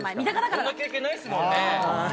こんな経験ないですもんね。